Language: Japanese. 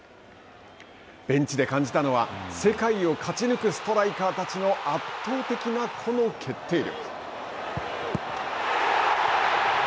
ベンチで感じたのは、世界を勝ち抜くストライカーたちの圧倒的な個の決定力。